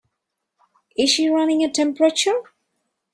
Is she running a temperature?